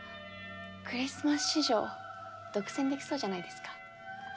クリスマス市場独占できそうじゃないですか？